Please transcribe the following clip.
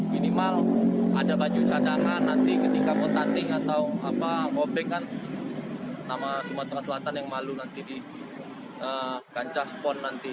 minimal ada baju cadangan nanti ketika mau tanding atau mau back kan sama sumatera selatan yang malu nanti digancah pon nanti